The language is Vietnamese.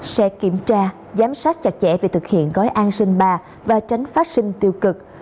sẽ kiểm tra giám sát chặt chẽ việc thực hiện gói an sinh ba và tránh phát sinh tiêu cực